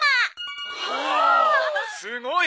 すごい！